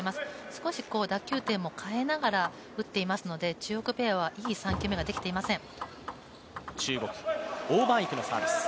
少し打球点も変えながら打っていますので、中国ペアはいい３球目ができていません。